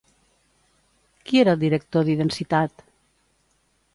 Qui era el director d'Idensitat?